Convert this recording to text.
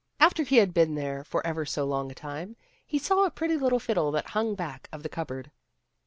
After he had been there for ever so long a time, he saw a pretty little fiddle that hung back of the cupboard.